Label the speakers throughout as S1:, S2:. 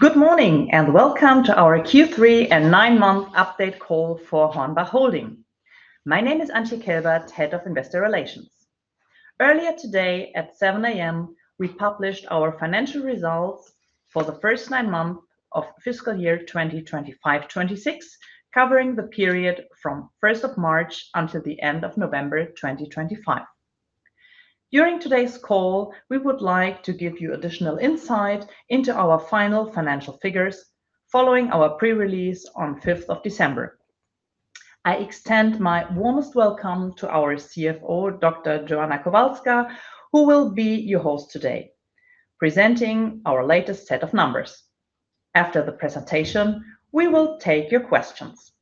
S1: Good morning and welcome to our Q3 and 9-month update call for HORNBACH Holding. My name is Antje Kelbert, Head of Investor Relations. Earlier today at 7:00 A.M., we published our financial results for the first 9 months of fiscal year 2025-26, covering the period from 1st of March until the end of November 2025. During today's call, we would like to give you additional insight into our final financial figures following our pre-release on 5th of December. I extend my warmest welcome to our CFO, Dr. Joanna Kowalska, who will be your host today, presenting our latest set of numbers. After the presentation, we will take your questions.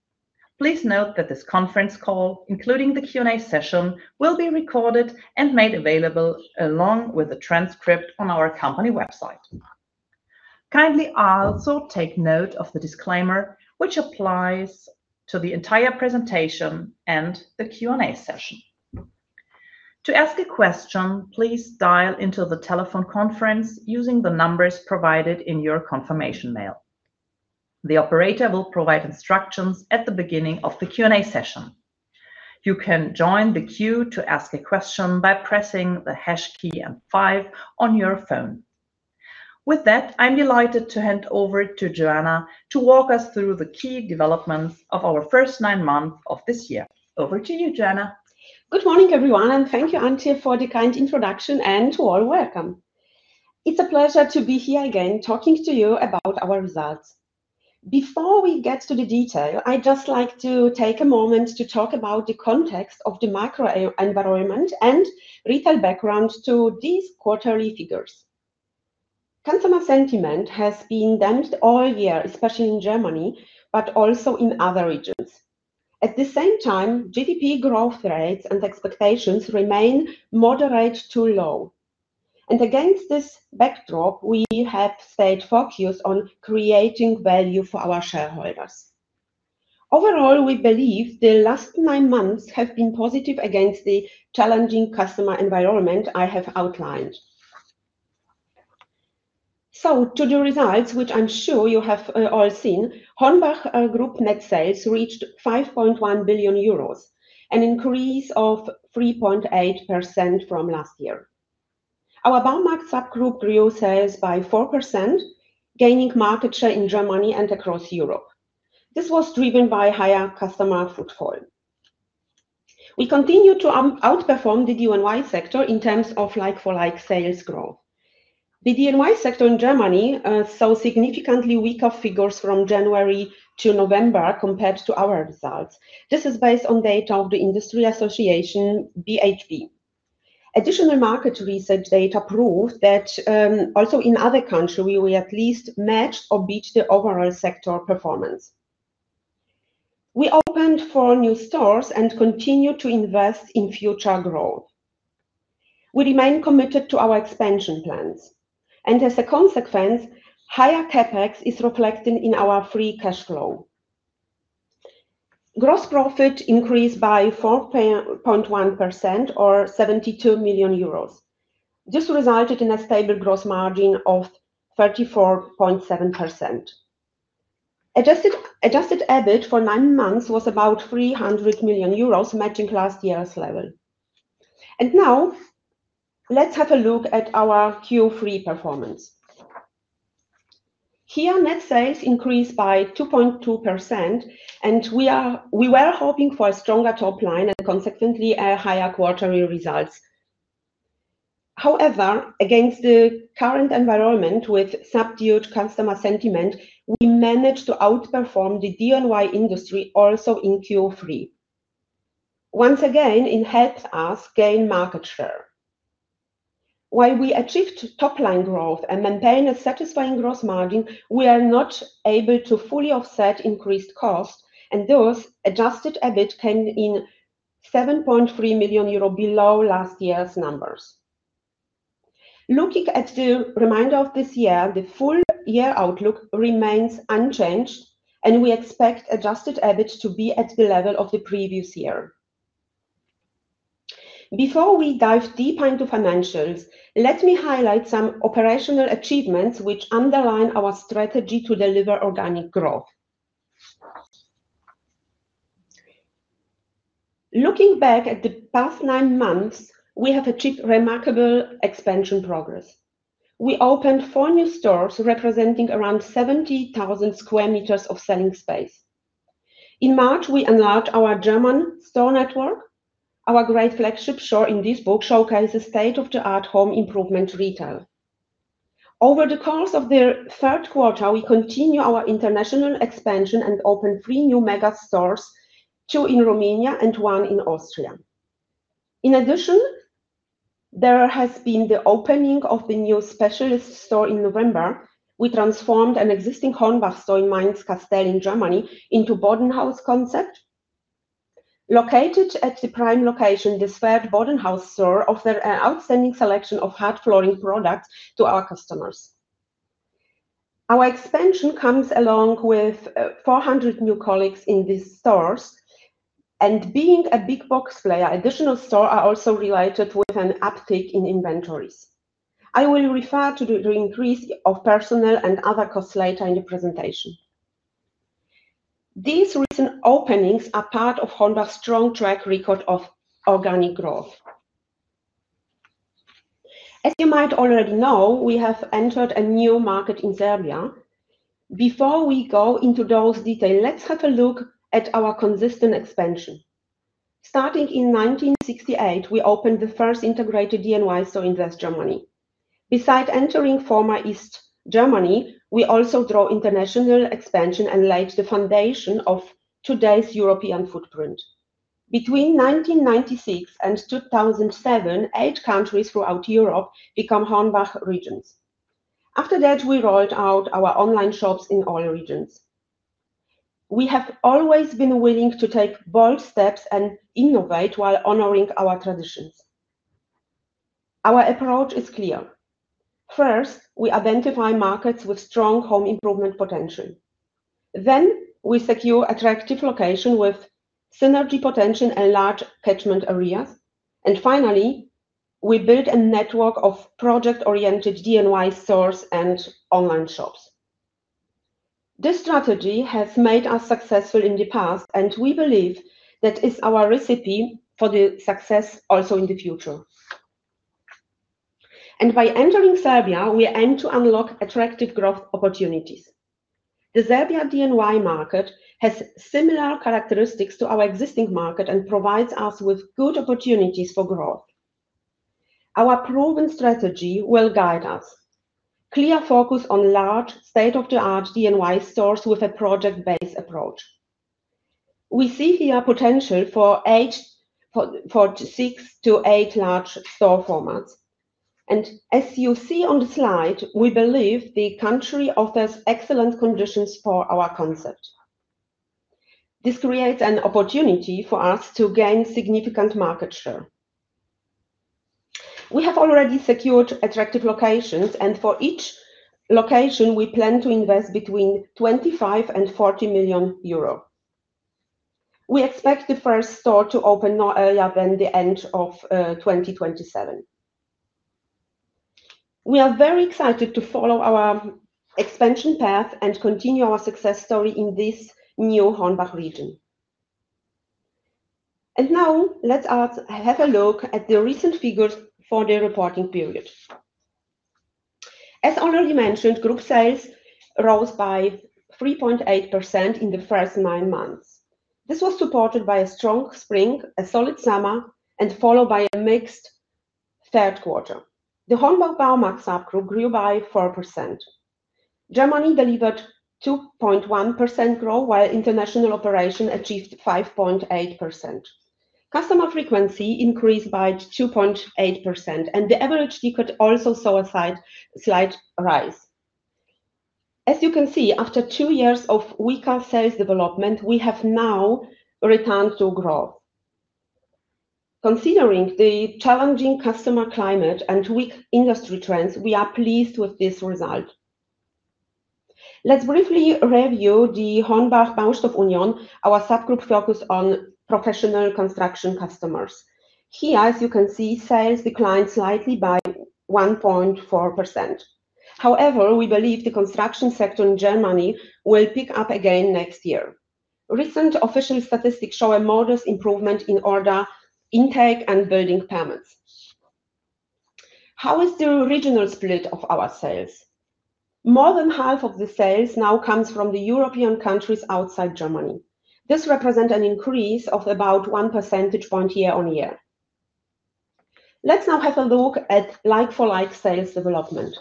S1: Please note that this conference call, including the Q&A session, will be recorded and made available along with the transcript on our company website. Kindly also take note of the disclaimer, which applies to the entire presentation and the Q&A session. To ask a question, please dial into the telephone conference using the numbers provided in your confirmation mail. The operator will provide instructions at the beginning of the Q&A session. You can join the queue to ask a question by pressing the hash key and five on your phone. With that, I'm delighted to hand over to Joanna to walk us through the key developments of our first nine months of this year. Over to you, Joanna.
S2: Good morning, everyone, and thank you, Antje, for the kind introduction and to all welcome. It's a pleasure to be here again talking to you about our results. Before we get to the detail, I'd just like to take a moment to talk about the context of the macro environment and retail background to these quarterly figures. Consumer sentiment has been damped all year, especially in Germany, but also in other regions. At the same time, GDP growth rates and expectations remain moderate to low, and against this backdrop, we have stayed focused on creating value for our shareholders. Overall, we believe the last nine months have been positive against the challenging customer environment I have outlined, so to the results, which I'm sure you have all seen, HORNBACH Group net sales reached 5.1 billion euros, an increase of 3.8% from last year. Our Baumarkt subgroup grew sales by 4%, gaining market share in Germany and across Europe. This was driven by higher customer footfall. We continue to outperform the DIY sector in terms of like-for-like sales growth. The DIY sector in Germany saw significantly weaker figures from January to November compared to our results. This is based on data of the industry association, BHB. Additional market research data proved that also in other countries, we at least matched or beat the overall sector performance. We opened four new stores and continue to invest in future growth. We remain committed to our expansion plans, and as a consequence, higher CapEx is reflected in our free cash flow. Gross profit increased by 4.1%, or 72 million euros. This resulted in a stable gross margin of 34.7%. Adjusted EBIT for nine months was about 300 million euros, matching last year's level. Now, let's have a look at our Q3 performance. Here, net sales increased by 2.2%, and we were hoping for a stronger top line and consequently higher quarterly results. However, against the current environment with subdued customer sentiment, we managed to outperform the DIY industry also in Q3. Once again, it helped us gain market share. While we achieved top-line growth and maintained a satisfying gross margin, we are not able to fully offset increased costs, and thus, Adjusted EBIT came in 7.3 million euro below last year's numbers. Looking at the remainder of this year, the full year outlook remains unchanged, and we expect Adjusted EBIT to be at the level of the previous year. Before we dive deep into financials, let me highlight some operational achievements which underline our strategy to deliver organic growth. Looking back at the past nine months, we have achieved remarkable expansion progress. We opened four new stores representing around 70,000 square meters of selling space. In March, we enlarged our German store network. Our great flagship store in Duisburg showcases state-of-the-art home improvement retail. Over the course of the third quarter, we continue our international expansion and opened three new mega stores, two in Romania and one in Austria. In addition, there has been the opening of the new specialist store in November. We transformed an existing HORNBACH store in Mainz-Kastel in Germany into a Bodenhaus concept. Located at the prime location, this third Bodenhaus store offers an outstanding selection of hard flooring products to our customers. Our expansion comes along with 400 new colleagues in these stores. And being a big box player, additional stores are also related with an uptick in inventories. I will refer to the increase of personnel and other costs later in the presentation. These recent openings are part of HORNBACH's strong track record of organic growth. As you might already know, we have entered a new market in Serbia. Before we go into those details, let's have a look at our consistent expansion. Starting in 1968, we opened the first integrated DIY store in West Germany. Besides entering former East Germany, we also drove international expansion and laid the foundation of today's European footprint. Between 1996 and 2007, eight countries throughout Europe became HORNBACH regions. After that, we rolled out our online shops in all regions. We have always been willing to take bold steps and innovate while honoring our traditions. Our approach is clear. First, we identify markets with strong home improvement potential. Then, we secure attractive locations with synergy potential and large catchment areas, and finally, we build a network of project-oriented DIY stores and online shops. This strategy has made us successful in the past, and we believe that it is our recipe for the success also in the future. And by entering Serbia, we aim to unlock attractive growth opportunities. The Serbia DIY market has similar characteristics to our existing market and provides us with good opportunities for growth. Our proven strategy will guide us: clear focus on large, state-of-the-art DIY stores with a project-based approach. We see here potential for six to eight large store formats. And as you see on the slide, we believe the country offers excellent conditions for our concept. This creates an opportunity for us to gain significant market share. We have already secured attractive locations, and for each location, we plan to invest between €25 and €40 million. We expect the first store to open no earlier than the end of 2027. We are very excited to follow our expansion path and continue our success story in this new HORNBACH region, and now, let's have a look at the recent figures for the reporting period. As already mentioned, group sales rose by 3.8% in the first nine months. This was supported by a strong spring, a solid summer, and followed by a mixed third quarter. The HORNBACH Baumarkt subgroup grew by 4%. Germany delivered 2.1% growth, while international operations achieved 5.8%. Customer frequency increased by 2.8%, and the average ticket also saw a slight rise. As you can see, after two years of weaker sales development, we have now returned to growth. Considering the challenging customer climate and weak industry trends, we are pleased with this result. Let's briefly review the HORNBACH Baustoff Union, our subgroup focused on professional construction customers. Here, as you can see, sales declined slightly by 1.4%. However, we believe the construction sector in Germany will pick up again next year. Recent official statistics show a modest improvement in order intake and building permits. How is the regional split of our sales? More than half of the sales now comes from the European countries outside Germany. This represents an increase of about 1 percentage point year on year. Let's now have a look at like-for-like sales development.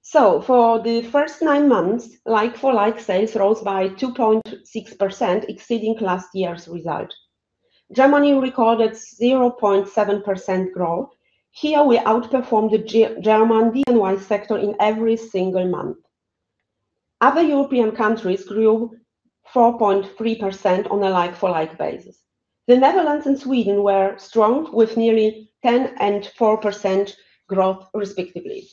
S2: So, for the first nine months, like-for-like sales rose by 2.6%, exceeding last year's result. Germany recorded 0.7% growth. Here, we outperformed the German DIY sector in every single month. Other European countries grew 4.3% on a like-for-like basis. The Netherlands and Sweden were strong, with nearly 10% and 4% growth, respectively.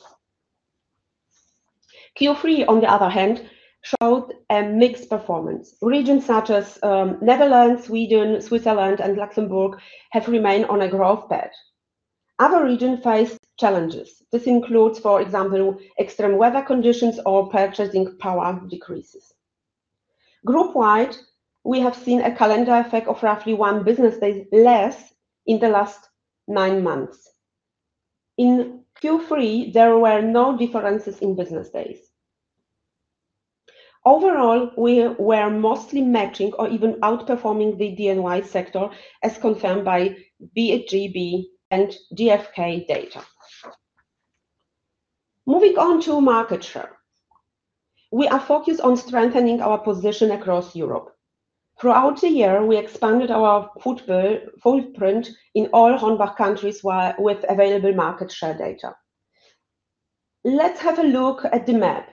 S2: Q3, on the other hand, showed a mixed performance. Regions such as the Netherlands, Sweden, Switzerland, and Luxembourg have remained on a growth path. Other regions faced challenges. This includes, for example, extreme weather conditions or purchasing power decreases. Group-wide, we have seen a calendar effect of roughly one business day less in the last nine months. In Q3, there were no differences in business days. Overall, we were mostly matching or even outperforming the DIY sector, as confirmed by BHB and GfK data. Moving on to market share, we are focused on strengthening our position across Europe. Throughout the year, we expanded our footprint in all HORNBACH countries with available market share data. Let's have a look at the map.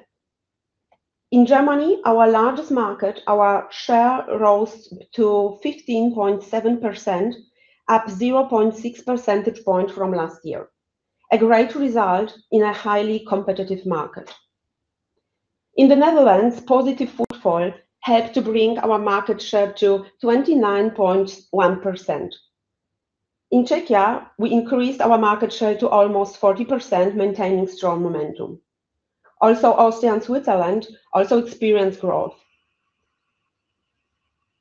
S2: In Germany, our largest market, our share rose to 15.7%, up 0.6 percentage points from last year, a great result in a highly competitive market. In the Netherlands, positive footfall helped to bring our market share to 29.1%. In Czechia, we increased our market share to almost 40%, maintaining strong momentum. Also, Austria and Switzerland also experienced growth.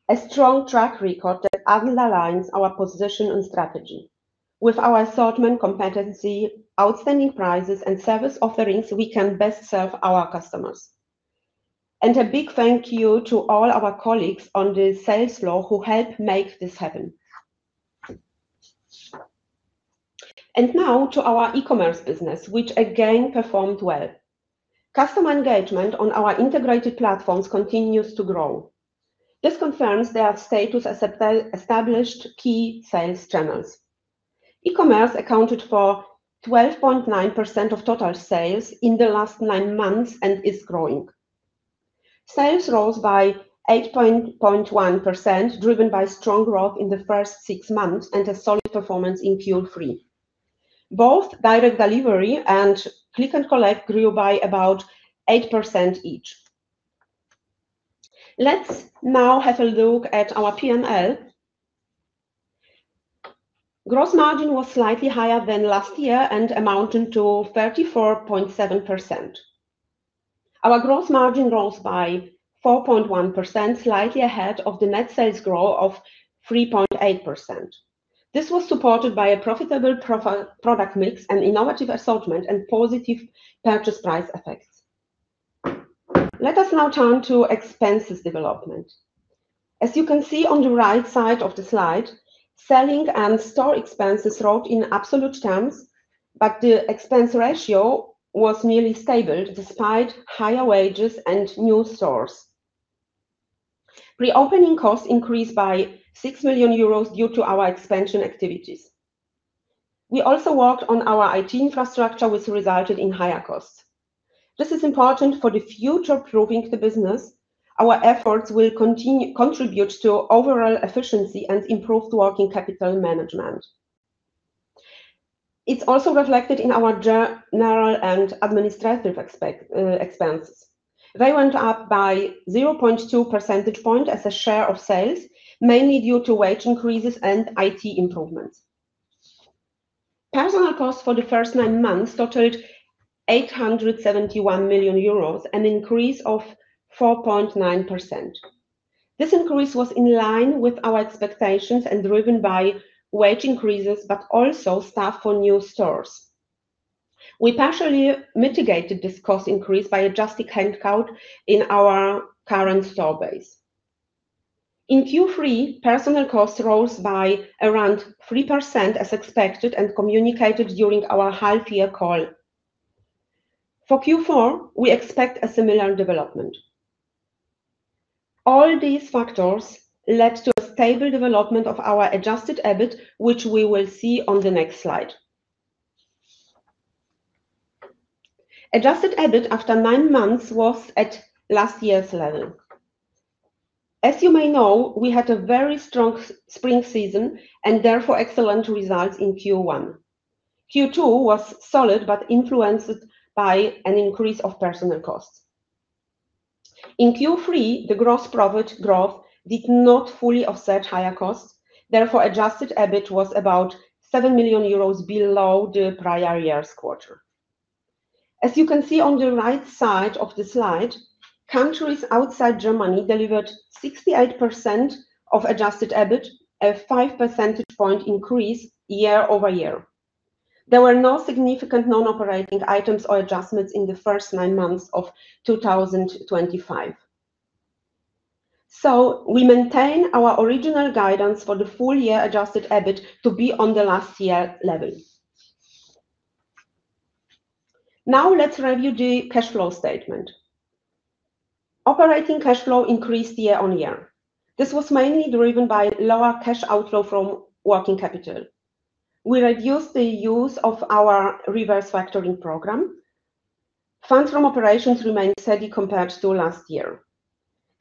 S2: A strong track record that underlines our position and strategy. With our assortment, competency, outstanding prices, and service offerings, we can best serve our customers. And a big thank you to all our colleagues on the sales floor who helped make this happen. And now to our e-commerce business, which again performed well. Customer engagement on our integrated platforms continues to grow. This confirms their status as established key sales channels. E-commerce accounted for 12.9% of total sales in the last 9 months and is growing. Sales rose by 8.1%, driven by strong growth in the first 6 months and a solid performance in Q3. Both direct delivery and click-and-collect grew by about 8% each. Let's now have a look at our P&L. Gross margin was slightly higher than last year and amounted to 34.7%. Our gross margin rose by 4.1%, slightly ahead of the net sales growth of 3.8%. This was supported by a profitable product mix, an innovative assortment, and positive purchase price effects. Let us now turn to expenses development. As you can see on the right side of the slide, selling and store expenses rose in absolute terms, but the expense ratio was nearly stable despite higher wages and new stores. Reopening costs increased by €6 million due to our expansion activities. We also worked on our IT infrastructure, which resulted in higher costs. This is important for the future-proofing of the business. Our efforts will contribute to overall efficiency and improved working capital management. It's also reflected in our general and administrative expenses. They went up by 0.2 percentage points as a share of sales, mainly due to wage increases and IT improvements. Personnel costs for the first nine months totaled 871 million euros, an increase of 4.9%. This increase was in line with our expectations and driven by wage increases, but also staff for new stores. We partially mitigated this cost increase by adjusting headcount in our current store base. In Q3, personnel costs rose by around 3%, as expected and communicated during our half-year call. For Q4, we expect a similar development. All these factors led to a stable development of our adjusted EBIT, which we will see on the next slide. Adjusted EBIT after nine months was at last year's level. As you may know, we had a very strong spring season and therefore excellent results in Q1. Q2 was solid but influenced by an increase of personnel costs. In Q3, the gross profit growth did not fully offset higher costs. Therefore, adjusted EBIT was about €7 million below the prior year's quarter. As you can see on the right side of the slide, countries outside Germany delivered 68% of adjusted EBIT, a five percentage point increase year-over-year. There were no significant non-operating items or adjustments in the first nine months of 2025. So, we maintain our original guidance for the full-year adjusted EBIT to be on the last-year level. Now, let's review the cash flow statement. Operating cash flow increased year on year. This was mainly driven by lower cash outflow from working capital. We reduced the use of our reverse factoring program. Funds from operations remained steady compared to last year.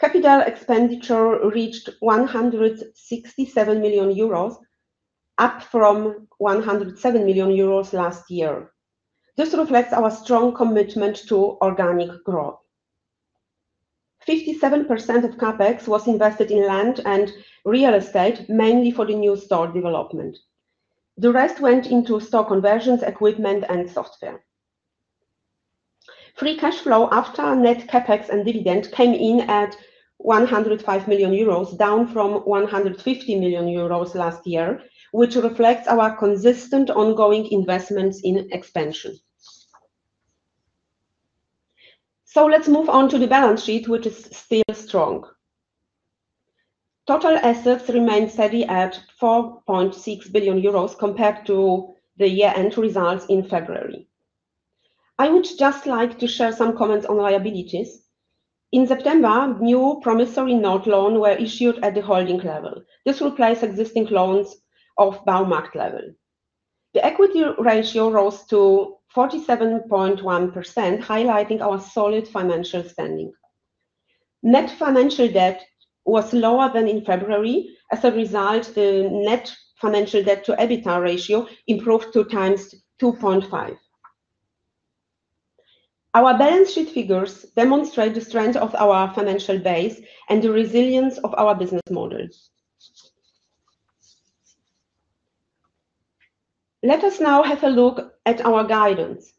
S2: Capital expenditure reached €167 million, up from €107 million last year. This reflects our strong commitment to organic growth. 57% of CapEx was invested in land and real estate, mainly for the new store development. The rest went into store conversions, equipment, and software. Free cash flow after net CapEx and dividend came in at €105 million, down from €150 million last year, which reflects our consistent ongoing investments in expansion. So, let's move on to the balance sheet, which is still strong. Total assets remained steady at €4.6 billion compared to the year-end results in February. I would just like to share some comments on liabilities. In September, new promissory note loans were issued at the holding level. This replaced existing loans of Baumarkt level. The equity ratio rose to 47.1%, highlighting our solid financial standing. Net financial debt was lower than in February. As a result, the net financial debt-to-EBITDA ratio improved to times 2.5. Our balance sheet figures demonstrate the strength of our financial base and the resilience of our business models. Let us now have a look at our guidance.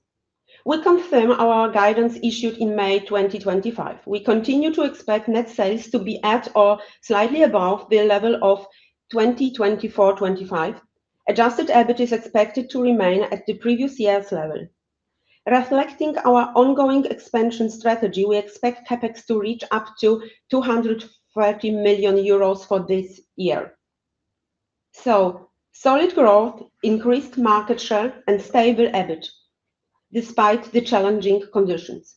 S2: We confirm our guidance issued in May 2025. We continue to expect net sales to be at or slightly above the level of 2024-2025. Adjusted EBIT is expected to remain at the previous year's level. Reflecting our ongoing expansion strategy, we expect CapEx to reach up to 230 million euros for this year, so solid growth, increased market share, and stable EBIT despite the challenging conditions,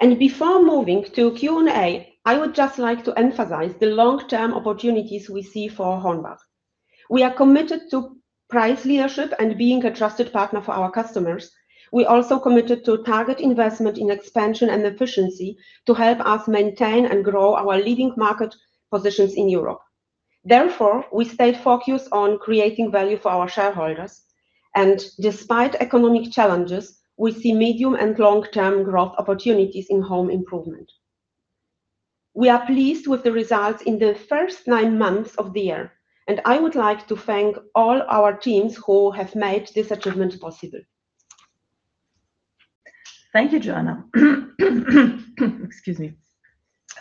S2: and before moving to Q&A, I would just like to emphasize the long-term opportunities we see for HORNBACH. We are committed to price leadership and being a trusted partner for our customers. We are also committed to target investment in expansion and efficiency to help us maintain and grow our leading market positions in Europe. Therefore, we stayed focused on creating value for our shareholders, and despite economic challenges, we see medium and long-term growth opportunities in home improvement. We are pleased with the results in the first nine months of the year, and I would like to thank all our teams who have made this achievement possible.
S1: Thank you, Joanna. Excuse me,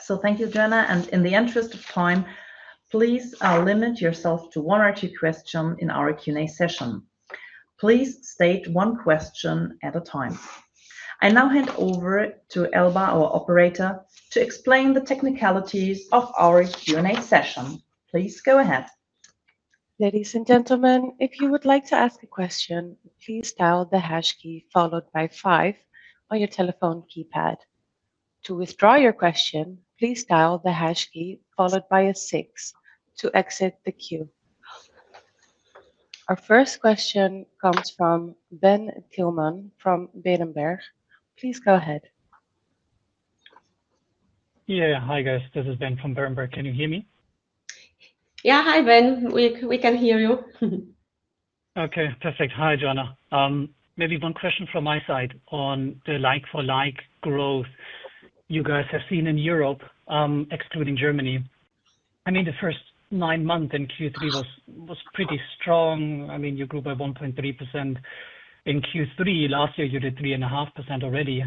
S1: so thank you, Joanna, and in the interest of time, please limit yourself to one or two questions in our Q&A session. Please state one question at a time. I now hand over to Elba, our operator, to explain the technicalities of our Q&A session. Please go ahead.
S3: Ladies and gentlemen, if you would like to ask a question, please dial the hash key followed by 5 on your telephone keypad. To withdraw your question, please dial the hash key followed by a 6 to exit the queue. Our first question comes from Benjamin Thielmann from Berenberg. Please go ahead.
S4: Yeah, hi, guys. This is Ben from Berenberg. Can you hear me?
S2: Yeah, hi, Ben. We can hear you.
S4: Okay, perfect. Hi, Joanna. Maybe one question from my side on the like-for-like growth you guys have seen in Europe, excluding Germany. I mean, the first nine months in Q3 was pretty strong. I mean, you grew by 1.3% in Q3. Last year, you did 3.5% already,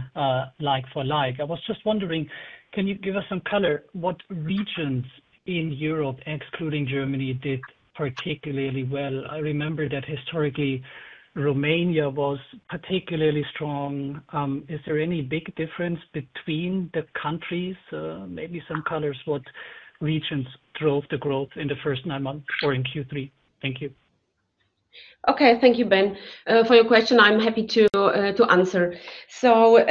S4: like-for-like. I was just wondering, can you give us some color? What regions in Europe, excluding Germany, did particularly well? I remember that historically, Romania was particularly strong. Is there any big difference between the countries? Maybe some colors, what regions drove the growth in the first nine months or in Q3? Thank you.
S2: Okay, thank you, Ben. For your question, I'm happy to answer. So,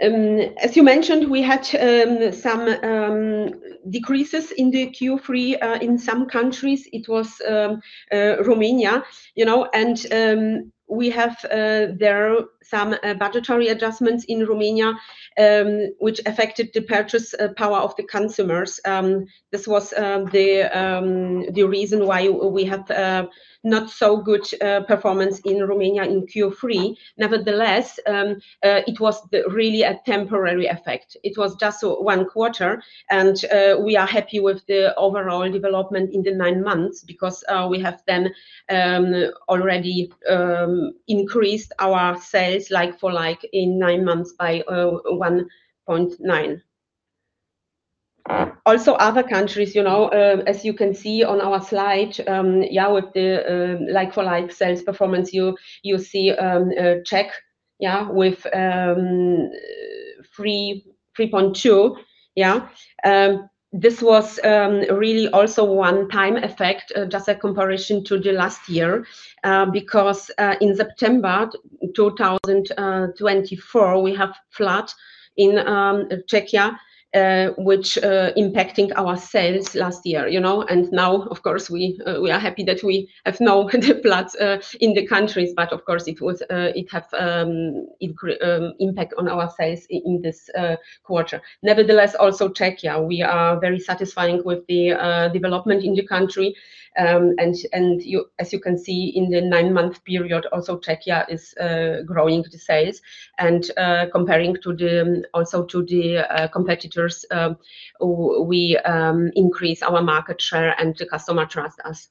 S2: as you mentioned, we had some decreases in the Q3 in some countries. It was Romania. And we have there some budgetary adjustments in Romania, which affected the purchasing power of the consumers. This was the reason why we had not so good performance in Romania in Q3. Nevertheless, it was really a temporary effect. It was just one quarter, and we are happy with the overall development in the nine months because we have then already increased our sales like-for-like in nine months by 1.9%. Also, other countries, as you can see on our slide, with the like-for-like sales performance, you see Czechia with 3.2%. This was really also one-time effect, just a comparison to the last year, because in September 2024, we have flood in Czechia, which impacted our sales last year, and now, of course, we are happy that we have no floods in the countries, but of course, it would have an impact on our sales in this quarter. Nevertheless, also Czechia, we are very satisfied with the development in the country. As you can see, in the 9-month period, also Czechia is growing the sales. Comparing also to the competitors, we increased our market share and the customer trust us.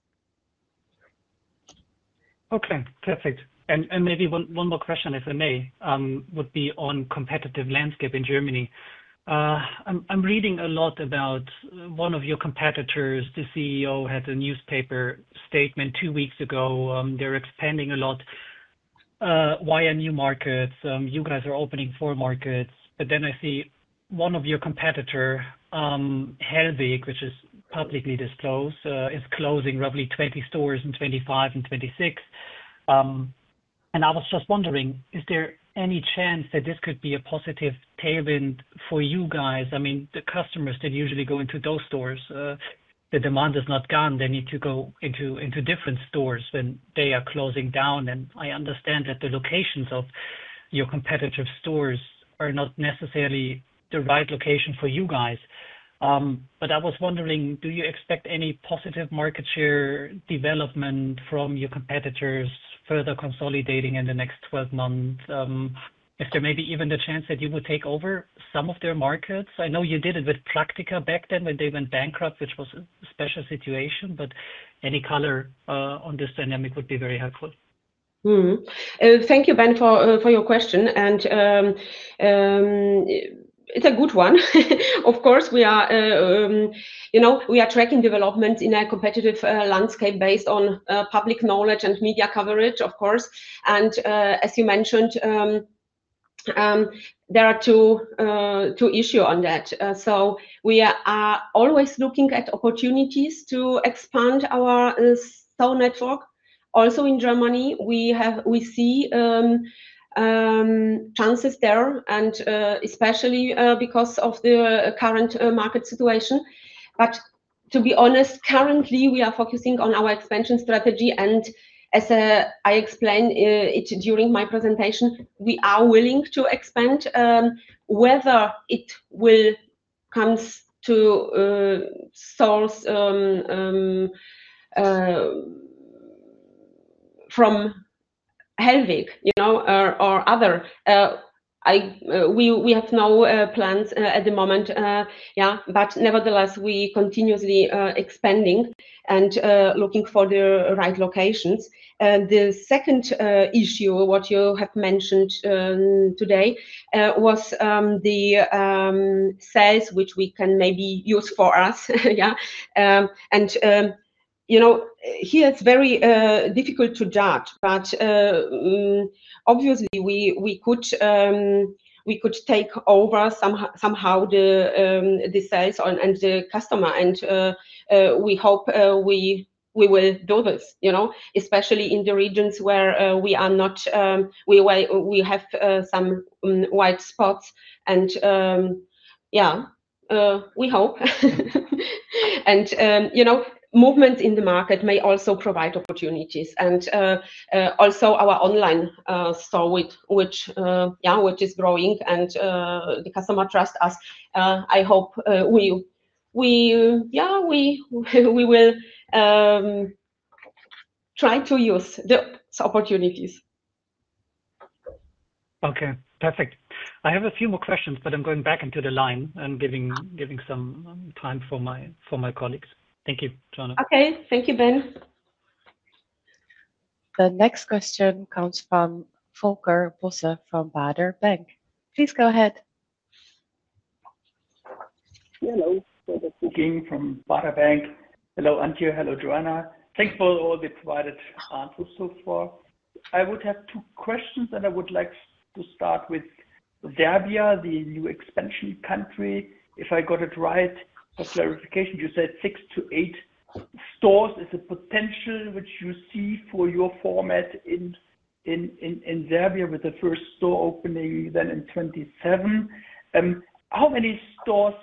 S2: Okay, perfect.
S4: Maybe one more question, if I may, would be on the competitive landscape in Germany. I'm reading a lot about one of your competitors. The CEO had a newspaper statement two weeks ago. They're expanding a lot. Why a new market? You guys are opening four markets. But then I see one of your competitors, Hellweg, which is publicly disclosed, is closing roughly 20 stores in 2025 and 2026. I was just wondering, is there any chance that this could be a positive tailwind for you guys? I mean, the customers that usually go into those stores, the demand is not gone. They need to go into different stores when they are closing down. I understand that the locations of your competitive stores are not necessarily the right location for you guys. But I was wondering, do you expect any positive market share development from your competitors further consolidating in the next 12 months? Is there maybe even a chance that you would take over some of their markets? I know you did it with Praktiker back then when they went bankrupt, which was a special situation. But any color on this dynamic would be very helpful.
S2: Thank you, Ben, for your question. And it's a good one. Of course, we are tracking developments in a competitive landscape based on public knowledge and media coverage, of course. And as you mentioned, there are two issues on that. So we are always looking at opportunities to expand our store network. Also, in Germany, we see chances there, and especially because of the current market situation. But to be honest, currently, we are focusing on our expansion strategy. And as I explained during my presentation, we are willing to expand, whether it comes to stores from Hellweg or other. We have no plans at the moment. But nevertheless, we are continuously expanding and looking for the right locations. The second issue, what you have mentioned today, was the sales which we can maybe use for us. And here, it's very difficult to judge. But obviously, we could take over somehow the sales and the customer. And we hope we will do this, especially in the regions where we have some white spots. And yeah, we hope. And movement in the market may also provide opportunities. And also, our online store, which is growing and the customer trusts us, I hope we will try to use the opportunities.
S4: Okay, perfect. I have a few more questions, but I'm going back into the line and giving some time for my colleagues. Thank you, Joanna.
S2: Okay, thank you, Ben.
S1: The next question comes from Volker Bosse from Baader Bank. Please go ahead.
S5: Hello. Volker Bosse from Baader Bank. Hello, Antje. Hello, Joanna. Thanks for all the provided answers so far. I would have two questions, and I would like to start with Serbia, the new expansion country. If I got it right, for clarification, you said six to eight stores. Is the potential which you see for your format in Serbia with the first store opening then in 2027? How many store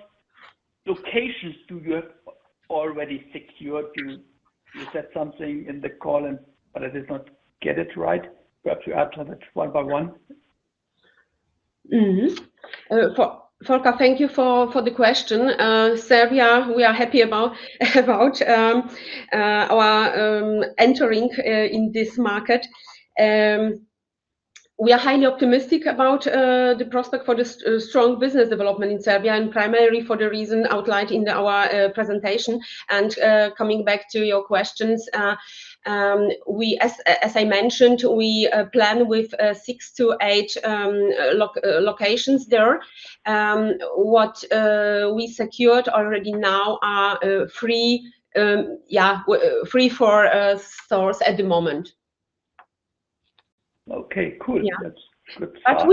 S5: locations do you have already secured? You said something in the call, but I did not get it right. Perhaps you answer that one by one.
S2: Volker, thank you for the question. Serbia, we are happy about our entering in this market. We are highly optimistic about the prospects for strong business development in Serbia, and primarily for the reason outlined in our presentation. Coming back to your questions, as I mentioned, we plan with six to eight locations there. What we secured already now are three stores at the moment. Okay, cool. That's good.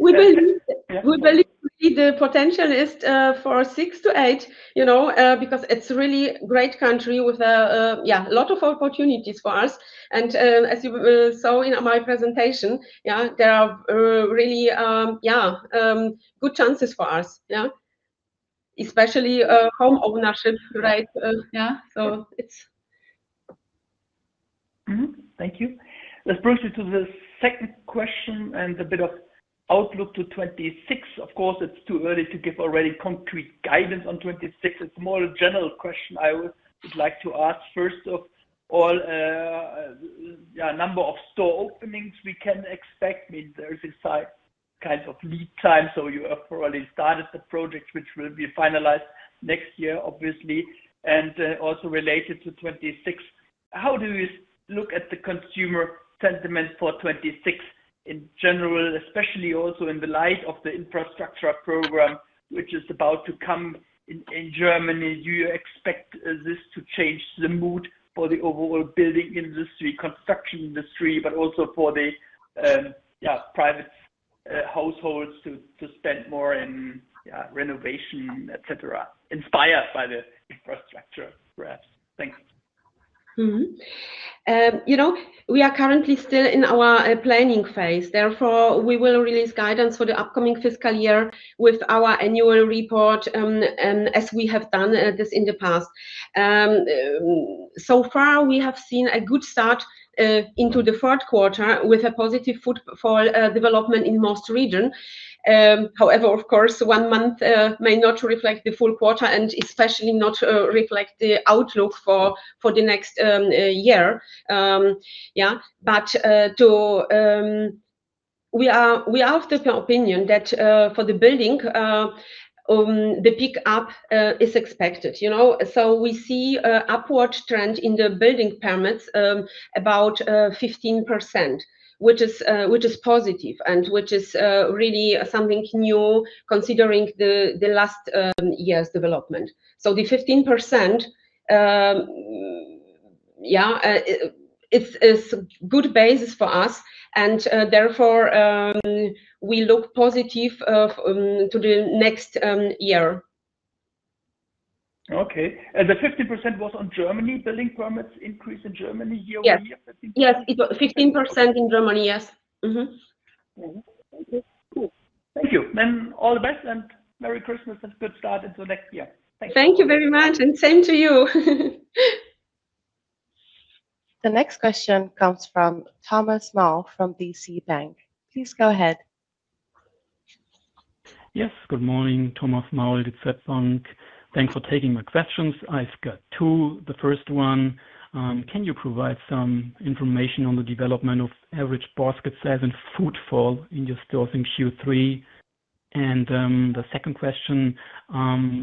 S2: We believe the potential is for six to eight because it's a really great country with a lot of opportunities for us. As you saw in my presentation, there are really good chances for us, especially home ownership rate. So it's. Thank you.
S5: Let's move to the second question and a bit of outlook to 2026. Of course, it's too early to give already concrete guidance on 2026. It's more a general question I would like to ask. First of all, number of store openings we can expect? I mean, there's inside kind of lead time. So you have already started the project, which will be finalized next year, obviously, and also related to 2026. How do you look at the consumer sentiment for 2026 in general, especially also in the light of the infrastructure program, which is about to come in Germany? Do you expect this to change the mood for the overall building industry, construction industry, but also for the private households to spend more in renovation, etc., inspired by the infrastructure, perhaps? Thanks.
S2: We are currently still in our planning phase. Therefore, we will release guidance for the upcoming fiscal year with our annual report, as we have done this in the past. So far, we have seen a good start into the fourth quarter with a positive footfall development in most regions. However, of course, one month may not reflect the full quarter and especially not reflect the outlook for the next year. But we are of the opinion that for the building, the pickup is expected. So we see an upward trend in the building permits about 15%, which is positive and which is really something new considering the last year's development. So the 15%, it's a good basis for us. And therefore, we look positive to the next year.
S5: Okay. And the 15% was on Germany building permits increase in Germany year-over-year?
S2: Yes, 15% in Germany, yes.
S5: Thank you. Then all the best and Merry Christmas and good start into next year. Thank you.
S2: Thank you very much. And same to you.
S1: The next question comes from Thomas Maul from DZ BANK. Please go ahead.
S6: Yes, good morning. Thomas Maul with DZ BANK. Thanks for taking my questions. I've got two. The first one, can you provide some information on the development of average basket size and footfall in your stores in Q3? And the second question,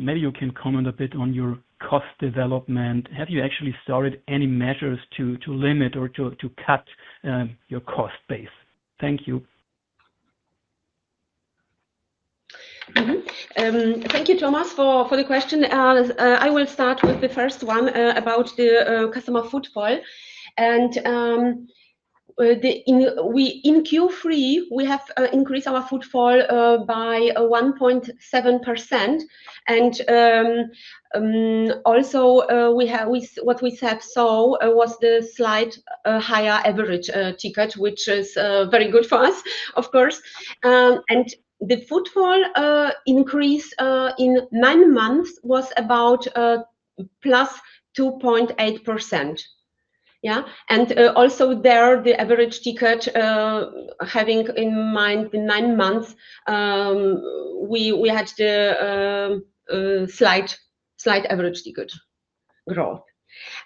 S6: maybe you can comment a bit on your cost development. Have you actually started any measures to limit or to cut your cost base? Thank you.
S2: Thank you, Thomas, for the question. I will start with the first one about the customer footfall, and in Q3, we have increased our footfall by 1.7%. And also, what we saw was the slight higher average ticket, which is very good for us, of course, and the footfall increase in nine months was about plus 2.8%. And also there, the average ticket, having in mind the nine months, we had the slight average ticket growth.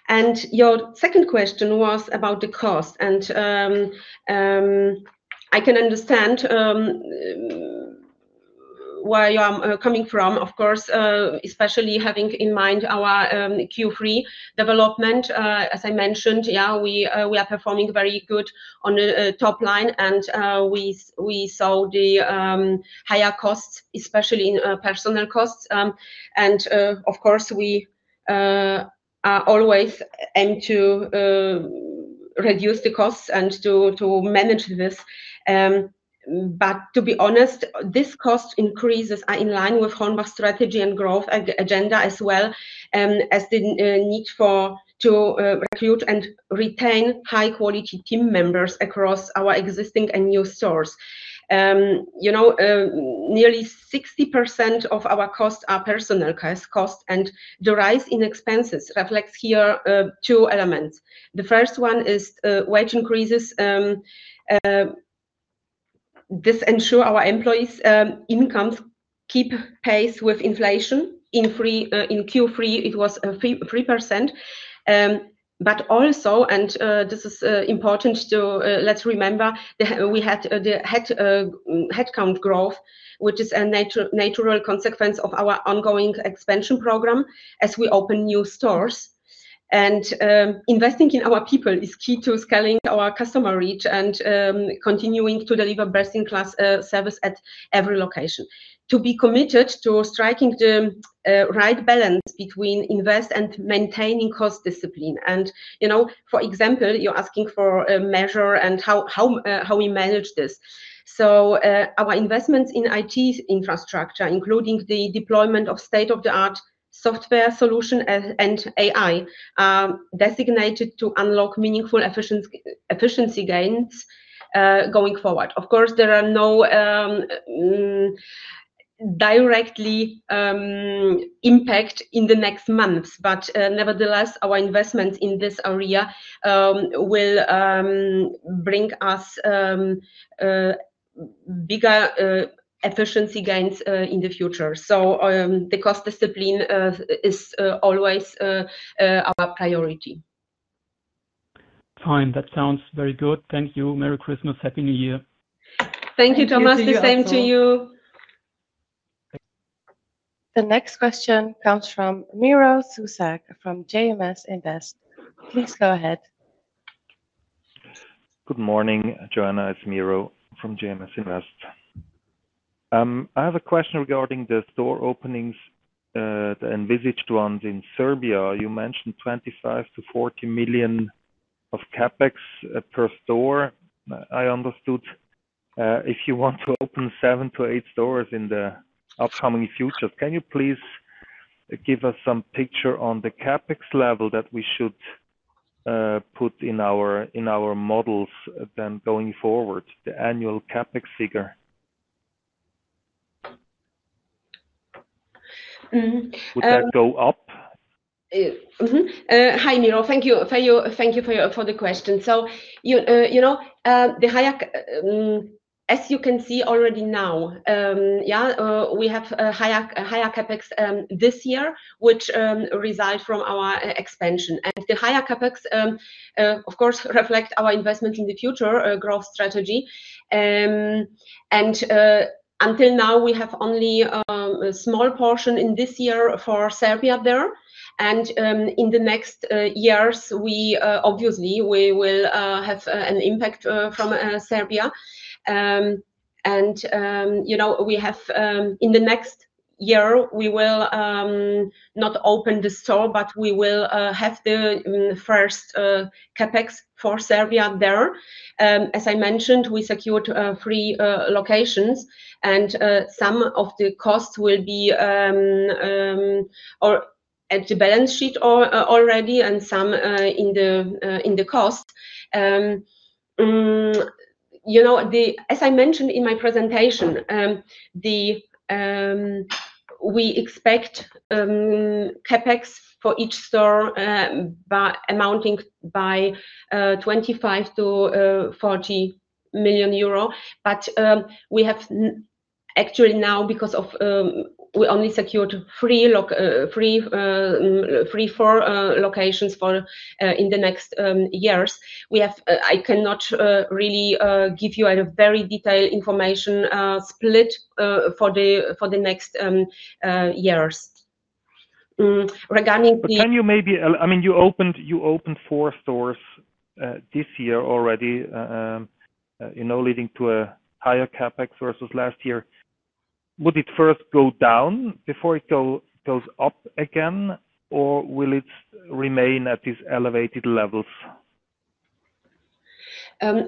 S2: And your second question was about the cost. And I can understand where you are coming from, of course, especially having in mind our Q3 development. As I mentioned, we are performing very good on the top line. And we saw the higher costs, especially in personnel costs. And of course, we always aim to reduce the costs and to manage this. But to be honest, this cost increase is in line with HORNBACH's strategy and growth agenda as well as the need to recruit and retain high-quality team members across our existing and new stores. Nearly 60% of our costs are personnel costs. And the rise in expenses reflects here two elements. The first one is wage increases. This ensures our employees' incomes keep pace with inflation. In Q3, it was 3%, but also, and this is important, too. Let's remember we had headcount growth, which is a natural consequence of our ongoing expansion program as we open new stores, and investing in our people is key to scaling our customer reach and continuing to deliver best-in-class service at every location, to be committed to striking the right balance between invest and maintaining cost discipline. And for example, you're asking for a measure and how we manage this, so our investments in IT infrastructure, including the deployment of state-of-the-art software solutions and AI, are designed to unlock meaningful efficiency gains going forward. Of course, there are no direct impact in the next months, but nevertheless, our investments in this area will bring us bigger efficiency gains in the future, so the cost discipline is always our priority.
S6: Fine. That sounds very good. Thank you. Merry Christmas. Happy New Year.
S2: Thank you, Thomas. The same to you.
S1: The next question comes from Miro Zuzak from JMS Invest. Please go ahead.
S7: Good morning, Joanna. It's Miro from JMS Invest. I have a question regarding the store openings, the envisaged ones in Serbia. You mentioned 25 million-40 million of CapEx per store. I understood. If you want to open seven to eight stores in the upcoming future, can you please give us some picture on the CapEx level that we should put in our models then going forward, the annual CapEx figure? Would that go up?
S2: Hi, Miro. Thank you for the question. So the higher, as you can see already now, we have higher CapEx this year, which results from our expansion. And the higher CapEx, of course, reflects our investment in the future growth strategy. Until now, we have only a small portion in this year for Serbia there. In the next years, obviously, we will have an impact from Serbia. In the next year, we will not open the store, but we will have the first CapEx for Serbia there. As I mentioned, we secured three locations. Some of the costs will be at the balance sheet already and some in the cost. As I mentioned in my presentation, we expect CapEx for each store amounting by €25-40 million. But we have actually now, because we only secured three or four locations in the next years, I cannot really give you a very detailed information split for the next years. Regarding the.
S7: Can you maybe? I mean, you opened four stores this year already, leading to a higher CapEx versus last year. Would it first go down before it goes up again, or will it remain at these elevated levels?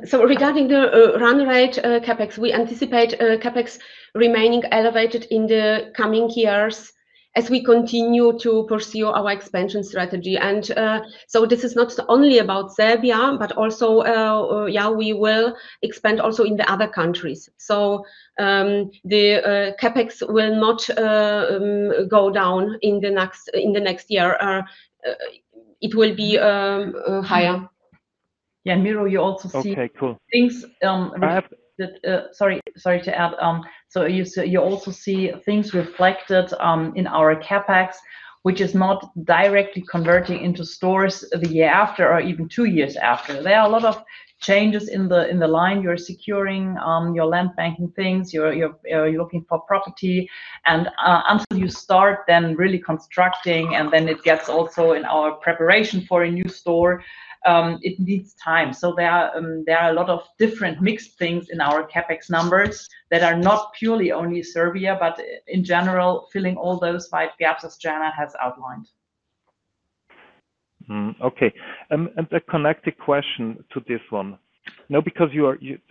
S2: So regarding the run rate CapEx, we anticipate CapEx remaining elevated in the coming years as we continue to pursue our expansion strategy. And so this is not only about Serbia, but also we will expand also in the other countries. So the CapEx will not go down in the next year. It will be higher.
S1: Yeah. Miro, you also see.
S2: Okay, cool.
S1: Things reflected. Sorry. Sorry to add. So you also see things reflected in our CapEx, which is not directly converting into stores the year after or even two years after. There are a lot of changes in the pipeline you're securing, your land banking things, you're looking for property. Until you start then really constructing, and then it gets also in our preparation for a new store, it needs time. There are a lot of different mixed things in our CapEx numbers that are not purely only Serbia, but in general, filling all those five gaps as Joanna has outlined.
S7: Okay. A connected question to this one. No, because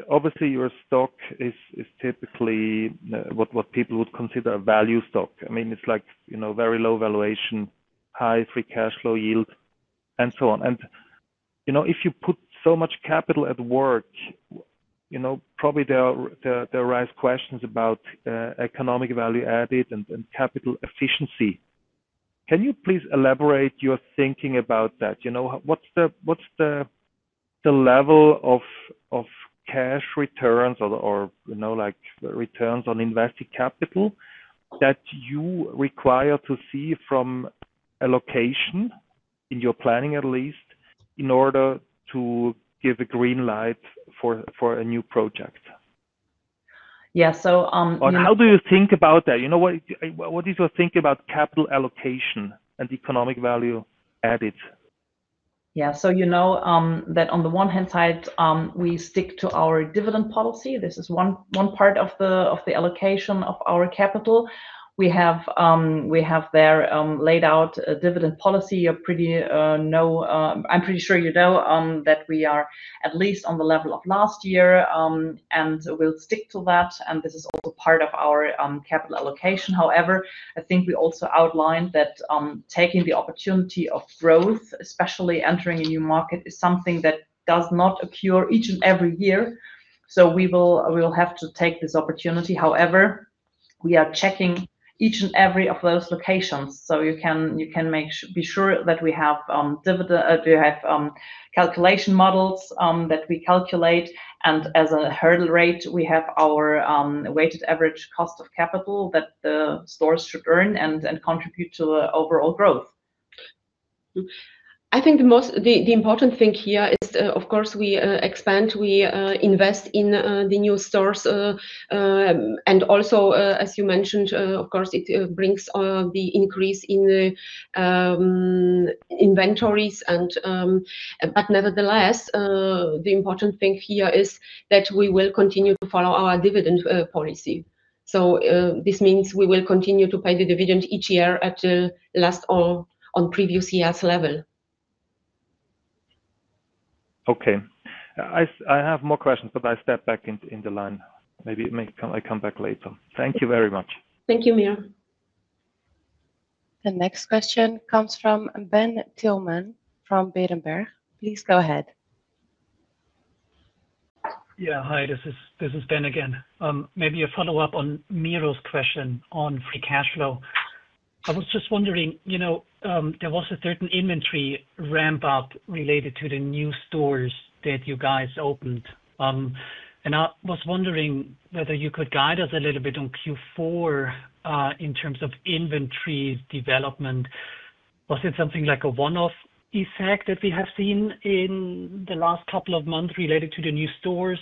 S7: obviously, your stock is typically what people would consider a value stock. I mean, it's like very low valuation, high free cash flow yield, and so on. And if you put so much capital at work, probably there arise questions about economic value added and capital efficiency. Can you please elaborate your thinking about that? What's the level of cash returns or returns on invested capital that you require to see from a location in your planning, at least, in order to give a green light for a new project? Yeah. So on. How do you think about that? What is your thinking about capital allocation and Economic Value Added?
S1: Yeah. So you know that on the one hand side, we stick to our dividend policy. This is one part of the allocation of our capital. We have there laid out a dividend policy. I'm pretty sure you know that we are at least on the level of last year, and we'll stick to that. And this is also part of our capital allocation. However, I think we also outlined that taking the opportunity of growth, especially entering a new market, is something that does not occur each and every year. So we will have to take this opportunity. However, we are checking each and every of those locations. So you can be sure that we have dividend, we have calculation models that we calculate. And as a hurdle rate, we have our Weighted Average Cost of Capital that the stores should earn and contribute to the overall growth.
S2: I think the important thing here is, of course, we expand, we invest in the new stores. And also, as you mentioned, of course, it brings the increase in inventories. But nevertheless, the important thing here is that we will continue to follow our dividend policy. So this means we will continue to pay the dividend each year at the last or on previous year's level.
S7: Okay. I have more questions, but I step back in the line. Maybe I come back later. Thank you very much.
S2: Thank you, Miro.
S1: The next question comes from Ben Thielmann from Berenberg. Please go ahead.
S4: Yeah. Hi, this is Ben again. Maybe a follow-up on Miro's question on free cash flow. I was just wondering, there was a certain inventory ramp-up related to the new stores that you guys opened. And I was wondering whether you could guide us a little bit on Q4 in terms of inventory development. Was it something like a one-off effect that we have seen in the last couple of months related to the new stores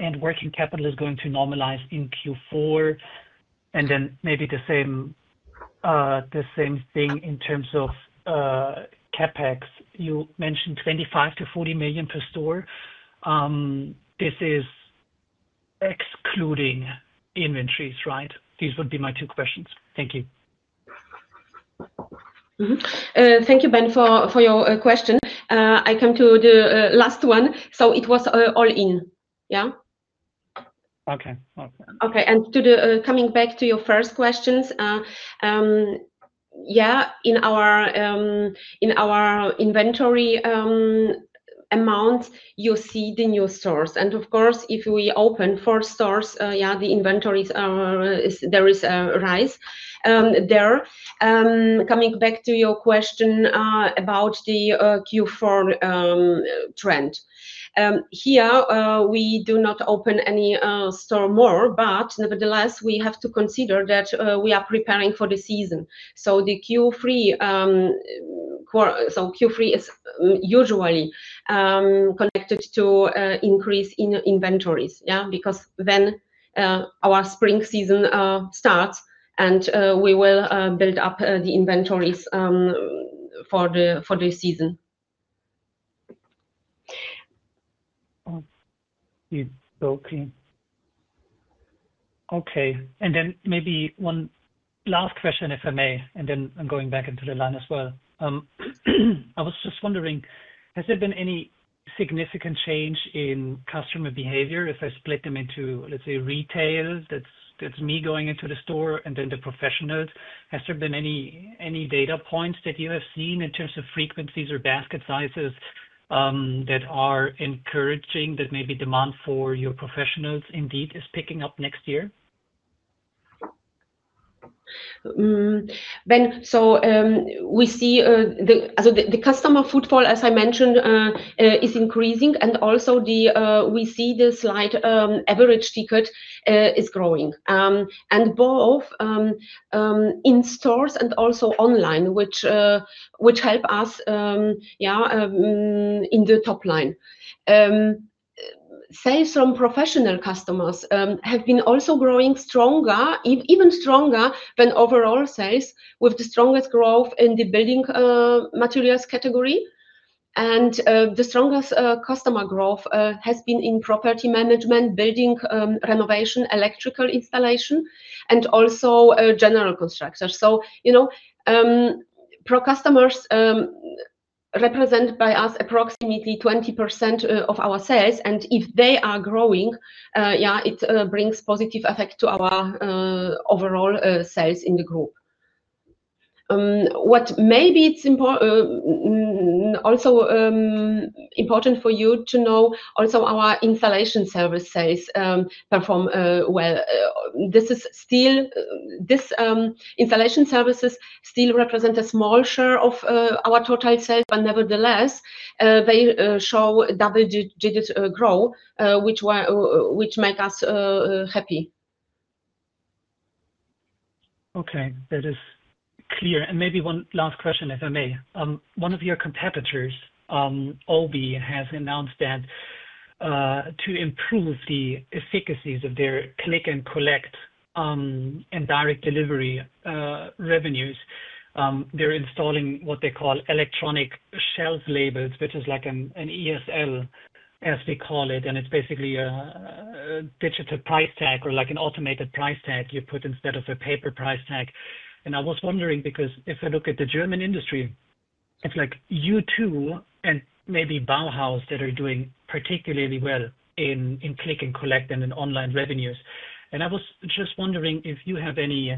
S4: and working capital is going to normalize in Q4? And then maybe the same thing in terms of CapEx. You mentioned 25 million-40 million per store. This is excluding inventories, right? These would be my two questions. Thank you.
S2: Thank you, Ben, for your question. I come to the last one. So it was all in. Yeah?
S4: Okay.
S2: Okay. Coming back to your first questions, yeah, in our inventory amount, you see the new stores. Of course, if we open four stores, yeah, the inventory, there is a rise there. Coming back to your question about the Q4 trend, here, we do not open any store more, but nevertheless, we have to consider that we are preparing for the season. The Q3 is usually connected to an increase in inventories, yeah, because then our spring season starts, and we will build up the inventories for the season.
S4: Okay. Maybe one last question, if I may, and then I'm going back into the line as well. I was just wondering, has there been any significant change in customer behavior? If I split them into, let's say, retail, that's me going into the store, and then the professionals, has there been any data points that you have seen in terms of frequencies or basket sizes that are encouraging that maybe demand for your professionals indeed is picking up next year?
S2: Ben, so we see the customer footfall, as I mentioned, is increasing. And also, we see the slight average ticket is growing. And both in stores and also online, which help us, yeah, in the top line. Sales from professional customers have been also growing stronger, even stronger than overall sales with the strongest growth in the building materials category. And the strongest customer growth has been in property management, building renovation, electrical installation, and also general construction. So customers represent by us approximately 20% of our sales. If they are growing, yeah, it brings positive effect to our overall sales in the group. What may be also important for you to know, also our installation service sales perform well. This installation services still represent a small share of our total sales, but nevertheless, they show double-digit growth, which make us happy.
S4: Okay. That is clear. Maybe one last question, if I may. One of your competitors, OBI, has announced that to improve the efficacy of their click and collect and direct delivery revenues, they're installing what they call electronic shelf labels, which is like an ESL, as we call it. It's basically a digital price tag or like an automated price tag you put instead of a paper price tag. I was wondering because if I look at the German industry, it's like OBI and maybe Bauhaus that are doing particularly well in click and collect and in online revenues. I was just wondering if you have any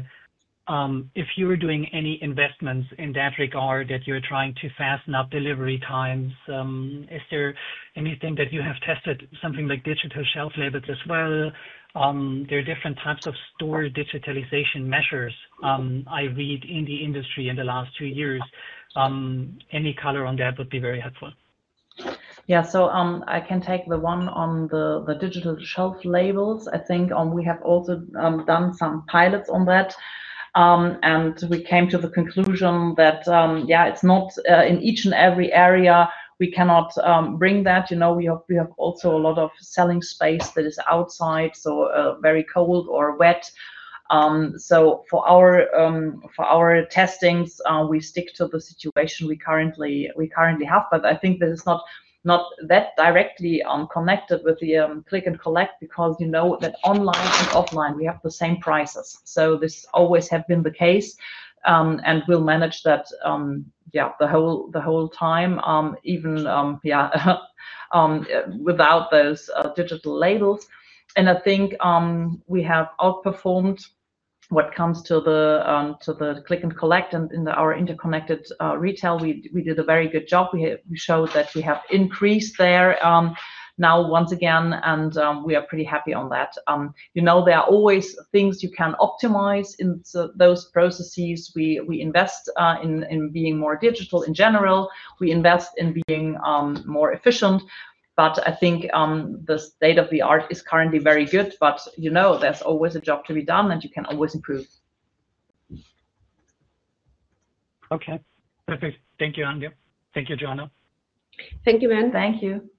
S4: if you're doing any investments in that regard that you're trying to speed up delivery times, is there anything that you have tested, something like digital shelf labels as well? There are different types of store digitalization measures I read in the industry in the last two years. Any color on that would be very helpful.
S1: Yeah. So I can take the one on the digital shelf labels. I think we have also done some pilots on that. And we came to the conclusion that, yeah, it's not in each and every area. We cannot bring that. We have also a lot of selling space that is outside, so very cold or wet. So for our testings, we stick to the situation we currently have. But I think this is not that directly connected with the click and collect because you know that online and offline, we have the same prices. So this always has been the case and will manage that, yeah, the whole time, even, yeah, without those digital labels. And I think we have outperformed what comes to the click and collect and in our interconnected retail. We did a very good job. We showed that we have increased there now once again, and we are pretty happy on that. There are always things you can optimize in those processes. We invest in being more digital in general. We invest in being more efficient. But I think the state of the art is currently very good, but there's always a job to be done, and you can always improve.
S4: Okay. Perfect. Thank you, Antje. Thank you, Joanna.
S2: Thank you, Ben. Thank you.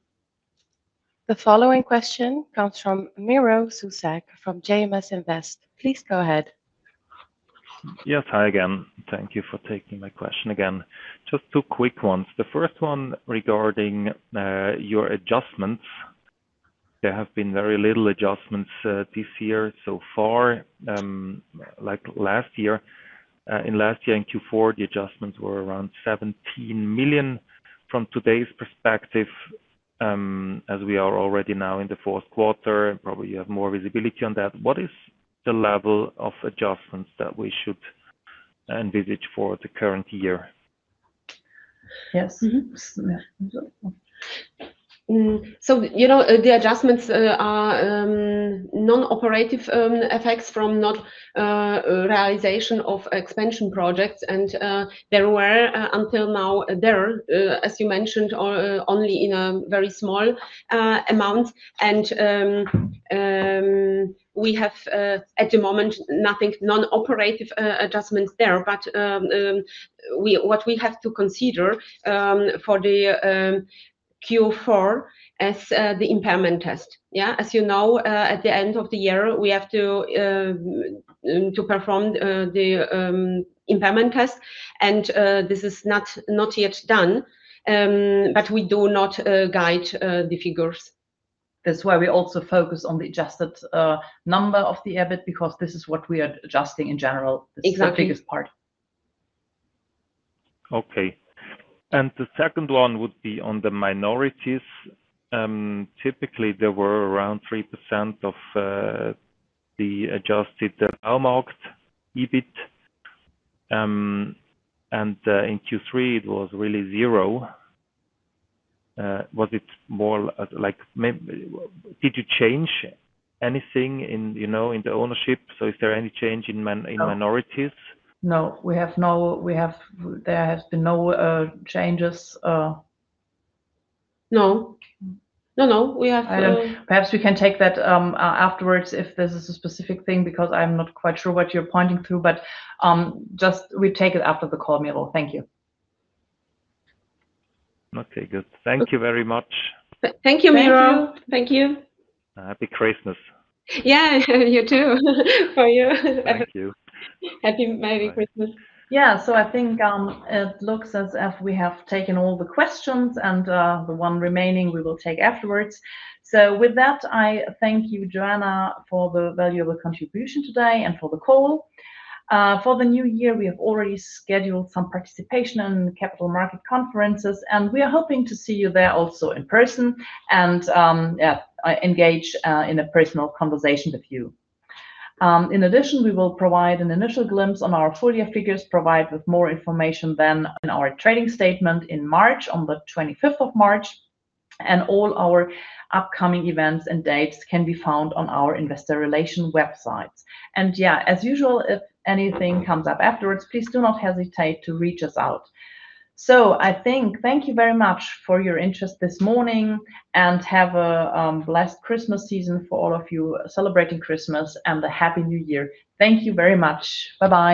S1: The following question comes from Miro Zuzak from JMS Invest. Please go ahead.
S7: Yes. Hi again. Thank you for taking my question again. Just two quick ones. The first one regarding your adjustments. There have been very little adjustments this year so far. In last year, in Q4, the adjustments were around 17 million. From today's perspective, as we are already now in the fourth quarter, probably you have more visibility on that. What is the level of adjustments that we should envisage for the current year?
S2: Yes. So the adjustments are non-operative effects from not realization of expansion projects. There were until now, as you mentioned, only in a very small amount. We have, at the moment, nothing non-operating adjustments there. But what we have to consider for the Q4 is the impairment test. Yeah? As you know, at the end of the year, we have to perform the impairment test. This is not yet done, but we do not guide the figures. That's why we also focus on the adjusted number of the EBIT because this is what we are adjusting in general. This is the biggest part. Exactly.
S7: Okay. The second one would be on the minorities. Typically, there were around 3% of the adjusted deconsolidated EBIT. In Q3, it was really zero. Was it more like did you change anything in the ownership? So is there any change in minorities?
S1: No. There have been no changes.
S2: No. No, no.
S1: We have to perhaps we can take that afterwards if this is a specific thing because I'm not quite sure what you're pointing to. But just we take it after the call, Miro. Thank you.
S7: Okay. Good. Thank you very much.
S2: Thank you, Miro. Thank you.
S7: Happy Christmas.
S2: Yeah. You too. For you.
S7: Thank you.
S2: Happy Merry Christmas.
S1: Yeah. So I think it looks as if we have taken all the questions, and the one remaining, we will take afterwards. So with that, I thank you, Joanna, for the valuable contribution today and for the call. For the new year, we have already scheduled some participation in capital market conferences, and we are hoping to see you there also in person and engage in a personal conversation with you. In addition, we will provide an initial glimpse on our full year figures provided with more information than in our trading statement in March on the 25th of March. And all our upcoming events and dates can be found on our investor relations websites. And yeah, as usual, if anything comes up afterwards, please do not hesitate to reach us out. So I think thank you very much for your interest this morning and have a blessed Christmas season for all of you celebrating Christmas and a Happy New Year. Thank you very much. Bye-bye.